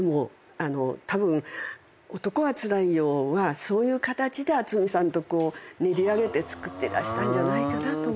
たぶん『男はつらいよ』はそういう形で渥美さんと練りあげて作ってらしたんじゃないかなと思うんですよね。